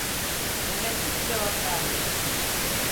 Mehmet hiç cevap vermedi.